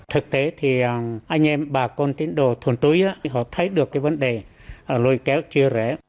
thực tế thì anh em bà con tín đồ thuần túi họ thấy được cái vấn đề lôi kéo chưa rẻ